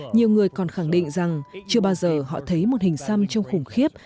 nhiều người còn khẳng định rằng chưa bao giờ họ thấy một hình xăm trông khủng khiếp